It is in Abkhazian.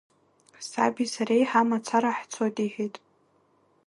Саби сареи ҳамацара ҳцоит иҳәеит.